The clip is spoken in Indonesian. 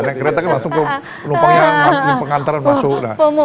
naik kereta kan langsung ke penumpangnya pengantaran masuk